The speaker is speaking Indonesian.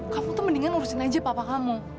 kamu tuh mendingan ngurusin aja papa kamu